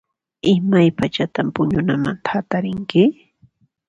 Imaypachatan puñunamanta hatarinki?